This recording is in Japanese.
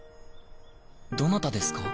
どなたですか？